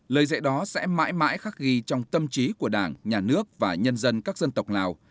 lời dạy đó sẽ mãi mãi khắc ghi trong tâm trí của đảng nhà nước và nhân dân các dân tộc lào